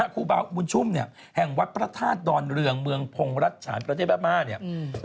ครูบาบุญชุ่มเนี่ยแห่งวัดพระธาตุดอนเรืองเมืองพงศ์รัชฉานประเทศบาม่าเนี่ย